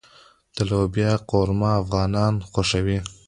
د لوبیا قورمه افغانان خوښوي.